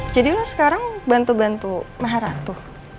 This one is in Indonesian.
jadi lo sekarang bantu bantu mahalatu